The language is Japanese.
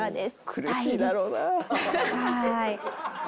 苦しいだろうな。